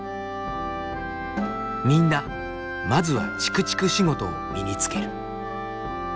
みんなまずはちくちく仕事を身につける。